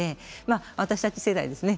私たち世代ですね